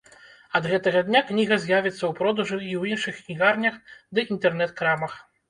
Ад гэтага дня кніга з'явіцца ў продажы і ў іншых кнігарнях ды інтэрнэт-крамах.